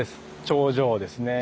頂上ですね